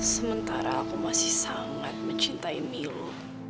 sementara aku masih sangat mencintai milo